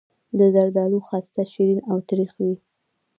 د زردالو خسته شیرین او تریخ وي.